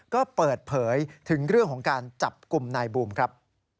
ก็เปิดเผยถึงเรื่องของการจับกลุ่มนายบูมครับ